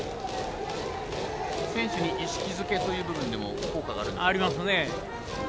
選手に意識づけという部分でも効果はありますね。